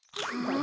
あ！